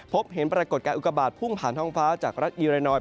พบเห็นปรากฏการณอุกบาทพุ่งผ่านท้องฟ้าจากรัฐอีเรนอย